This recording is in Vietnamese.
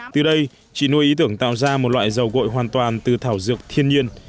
từ đây chị nuôi ý tưởng tạo ra một loại dầu gội hoàn toàn từ thảo dược thiên nhiên